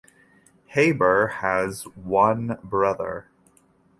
Haber has one brother.